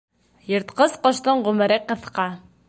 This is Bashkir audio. Йыртҡыс ҡоштоң ғүмере ҡыҫҡа.